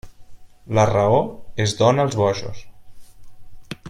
La raó es dóna als bojos.